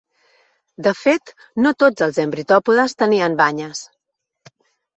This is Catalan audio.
De fet, no tots els embritòpodes tenien banyes.